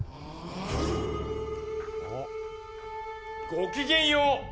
ごきげんよう。